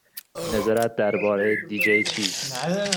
نظرت درباره دی جی چیست؟